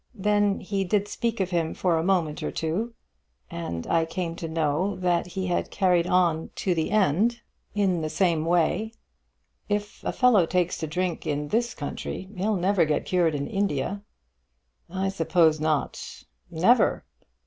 Then he did speak of him for a moment or two, and I came to know that he had carried on to the end in the same way. If a fellow takes to drink in this country, he'll never get cured in India." "I suppose not." "Never."